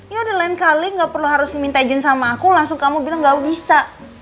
ya udah lain kali gak perlu harus minta izin sama aku langsung kamu bilang gak bisa